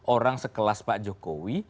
orang sekelas pak jokowi